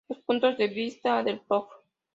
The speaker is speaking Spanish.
Los puntos de vista del Prof.